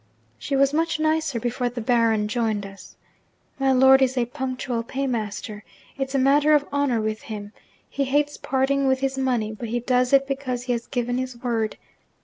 She was much nicer before the Baron joined us. My lord is a punctual paymaster; it's a matter of honour with him; he hates parting with his money, but he does it because he has given his word.